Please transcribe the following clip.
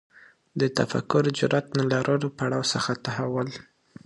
د تفکر جرئت نه لرلو پړاو څخه تحول